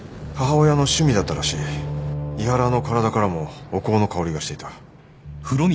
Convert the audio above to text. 井原の体からもお香の香りがしていた。